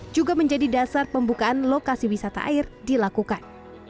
juga menjadi dasar pembukaan lokasi wisata air dilakukan